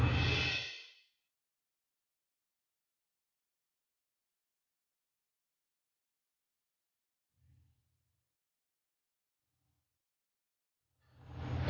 sini saya bukain